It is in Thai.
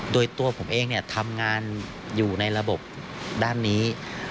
โดยตัวผมเองทำงานอยู่ในระบบด้านนี้